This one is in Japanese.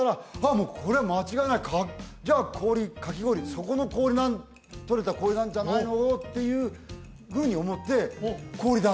もうこれは間違いないじゃあ氷かき氷そこでとれた氷なんじゃないの？っていうふうに思って氷だ！